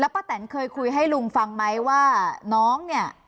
ป้าแตนเคยคุยให้ลุงฟังไหมว่าน้องเนี่ย